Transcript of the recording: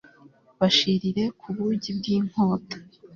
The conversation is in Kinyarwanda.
bashirire ku bugi bw'inkota